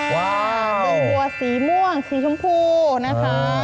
เป็นบัวสีม่วงสีชมพูนะคะ